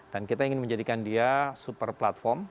kita ingin menjadikan dia super platform